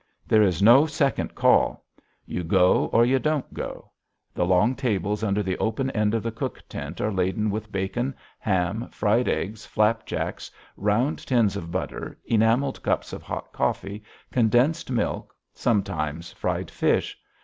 There is no second call. You go or you don't go. The long tables under the open end of the cook tent are laden with bacon, ham, fried eggs, flapjacks, round tins of butter, enameled cups of hot coffee, condensed milk, sometimes fried fish.